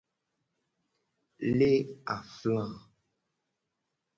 Le afla.